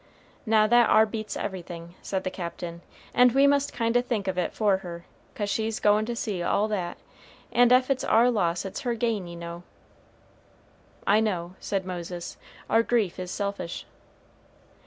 "Now that ar beats everything," said the Captain, "and we must kind o' think of it for her, 'cause she's goin' to see all that, and ef it's our loss it's her gain, ye know." "I know," said Moses; "our grief is selfish."